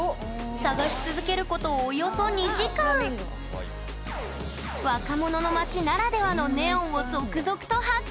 探し続けることおよそ若者の街ならではのネオンを続々と発見！